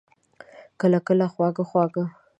کله، کله خواږه، خواږه